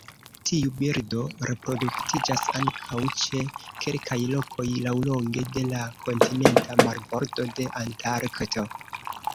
Tiu birdo reproduktiĝas ankaŭ ĉe kelkaj lokoj laŭlonge de la kontinenta marbordo de Antarkto.